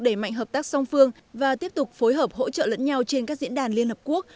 đẩy mạnh hợp tác song phương và tiếp tục phối hợp hỗ trợ lẫn nhau trên các diễn đàn liên hợp quốc